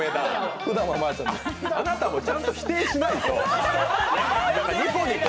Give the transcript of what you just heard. あなたもちゃんと否定しないと！